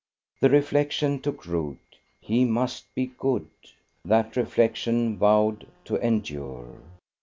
The reflection took root. "He must be good ...!" That reflection vowed to endure.